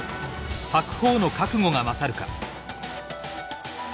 白鵬の覚悟が勝るか。